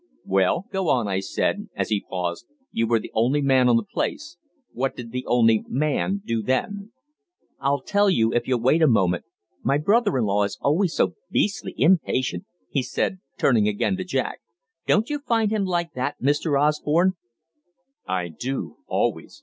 "Well, go on," I said, as he paused. "You were the only man on the place. What did the only 'man' do then?" "I'll tell you if you'll wait a moment my brother in law is always so beastly impatient," he said, turning again to Jack. "Don't you find him like that, Mr. Osborne?" "I do always.